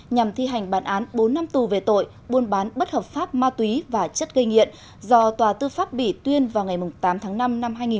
nhằm thi hành bản án bốn năm tù về tội buôn bán bất hợp pháp ma túy và chất gây nghiện do tòa tư pháp bỉ tuyên vào ngày tám tháng năm năm hai nghìn một mươi ba